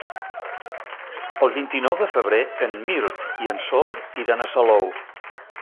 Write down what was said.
El vint-i-nou de febrer en Mirt i en Sol iran a Salou.